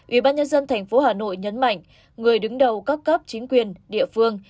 ubnd tp hà nội nhấn mạnh người đứng đầu các cấp chính quyền địa phương